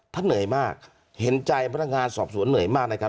เหนื่อยมากเห็นใจพนักงานสอบสวนเหนื่อยมากนะครับ